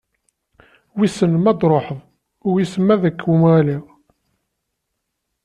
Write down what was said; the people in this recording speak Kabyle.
Wissen m'ad d-truḥeḍ, wiss m'ad kem-waliɣ.